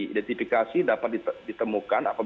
identifikasi dapat ditemukan